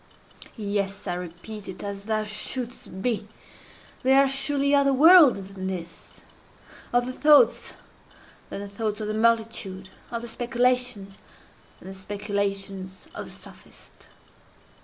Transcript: Yes! I repeat it—as thou shouldst be. There are surely other worlds than this—other thoughts than the thoughts of the multitude—other speculations than the speculations of the sophist.